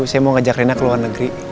saya mau ngajak rena ke luar negeri